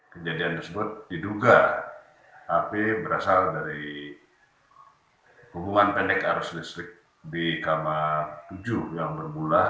kejadian tersebut diduga api berasal dari hubungan pendek arus listrik di kamar tujuh yang bermula